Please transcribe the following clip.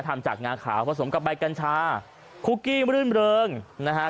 ทำจากงาขาวผสมกับใบกัญชาคุกกี้รื่นเริงนะฮะ